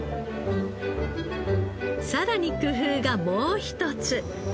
さらに工夫がもう一つ。